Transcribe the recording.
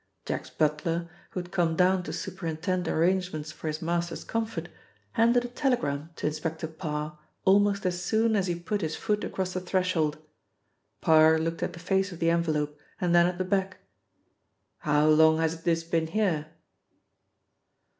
Jack's butler, who had come down to superintend arrangements for his master's comfort, handed a telegram to Inspector Parr almost as soon as he put his foot across the threshold. Parr looked at the face of the envelope and then at the back. "How long has this been here?"